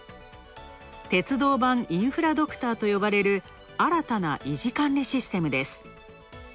鉄道版インフラドクターと呼ばれる新たな維持管理システムです。